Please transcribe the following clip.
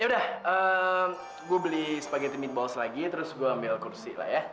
yaudah eee gue beli spaghetti meatballs lagi terus gue ambil kursi lah ya